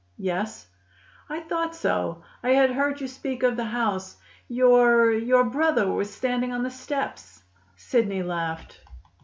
"Yes." "I thought so; I had heard you speak of the house. Your your brother was standing on the steps." Sidney laughed.